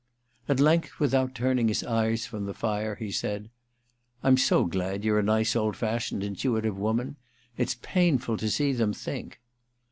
At length, without turning his eyes from the fire, he said :* I'm so glad you're a nice old fashioned intuitive woman. It's painful to see them think.'